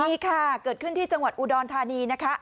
นี่ค่ะเกิดขึ้นที่จังหวัดอุดรธานีนะคะ